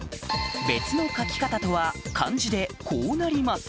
別の書き方とは漢字でこうなります